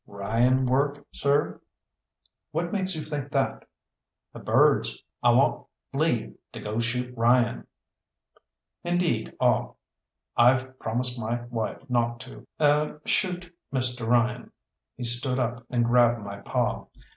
"Ryan work, sir?" "What makes you think that?" "The birds. I want leave to go shoot Ryan." "Indeed, ah! I've promised my wife not to er shoot Mr. Ryan." He stood up and grabbed my paw.